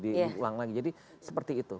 di ulang lagi jadi seperti itu